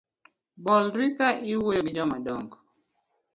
Bolri ka iwuoyo gi jomadong’o